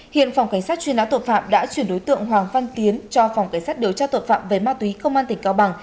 hiện phòng cảnh sát chuyên án tội phạm đã chuyển đối tượng hoàng văn tiến cho phòng cảnh sát điều tra tội phạm về ma túy công an tỉnh cao bằng